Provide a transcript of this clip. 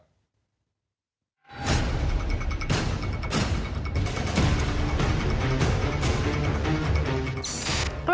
เกอร์หลักสาวน่าอย่างไรแกนั่นแหละ